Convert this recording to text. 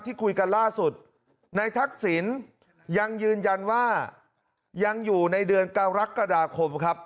ที่คุยกันล่าสุดในทักษิณยังยืนยันว่ายังอยู่ในเดือนกรกฎาคมครับ